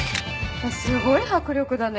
すごい迫力だね。